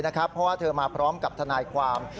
เพราะว่าเธอมาพร้อมกับทนายความ